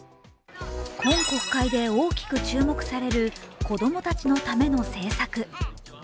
今国会で大きく注目される子供たちのための政策。